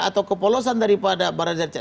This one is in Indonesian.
atau kepolosan daripada barajar cet